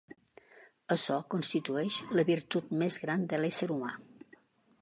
Açò constitueix la virtut més gran de l'ésser humà.